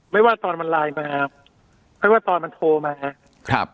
ไม่ว่าตอนมันไลน์มาไม่ว่าตอนมันโทรมาครับ